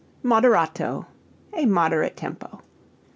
Moderato a moderate tempo.